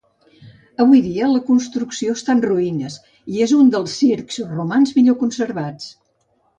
Avui dia la construcció està en ruïnes, i és un dels circs romans millor conservats.